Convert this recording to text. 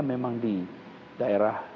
memang di daerah